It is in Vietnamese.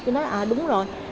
tôi nói à đúng rồi